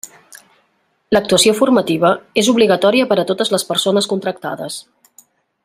L'actuació formativa és obligatòria per a totes les persones contractades.